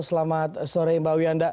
selamat sore mbak uyanda